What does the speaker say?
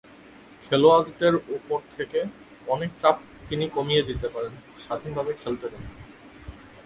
খেলোয়াড়দের ওপর থেকে অনেক চাপ তিনি কমিয়ে দিতে পারেন, স্বাধীনভাবে খেলতে দেন।